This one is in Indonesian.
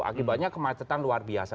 akibatnya kemacetan luar biasa